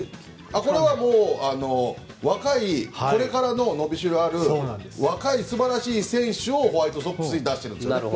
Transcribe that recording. これは若いこれからの、のびしろある若い素晴らしい選手をホワイトソックスに出しているんです。